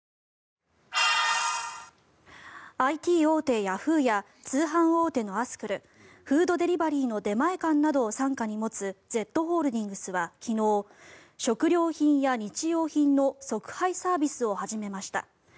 ＩＴ大手ヤフーや通販大手のアスクルフードデリバリーの出前館などを傘下に持つＺホールディングスは昨日食料品や日用品の即配サービスを始めました。